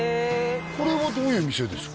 これはどういう店ですか？